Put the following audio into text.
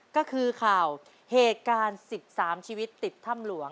ก็คือข่าวเหตุการณ์๑๓ชีวิตติดถ้ำหลวง